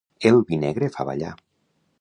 El vi negre fa ballar.